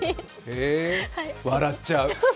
笑っちゃう。